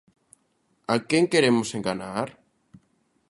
¿A quen queremos enganar?